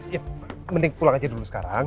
ya mending pulang aja dulu sekarang